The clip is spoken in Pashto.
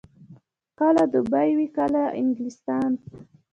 کله دوبۍ وي، کله انګلستان.